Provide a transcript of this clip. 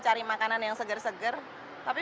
cari makanan yang segar segar tapi